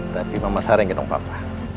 tapi mama sarah yang gendong papa